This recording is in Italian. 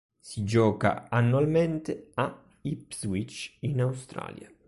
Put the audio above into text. Si gioca annualmente a Ipswich in Australia.